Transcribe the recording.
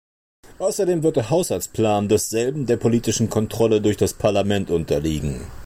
Außerdem wird der Haushaltsplan desselben der politischen Kontrolle durch das Parlament unterliegen.